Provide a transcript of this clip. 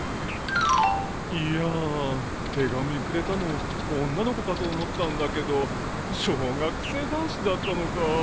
いや手紙くれたの女の子かと思ったんだけど小学生男子だったのか。